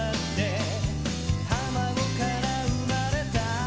「卵から生まれた」